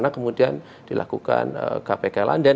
kemudian dilakukan kpk landa